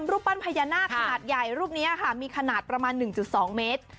รูปนี้ค่ะมีขนาดประมาณ๑๒เมตร